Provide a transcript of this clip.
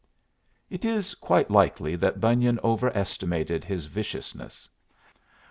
It is quite likely that Bunyan overestimated his viciousness.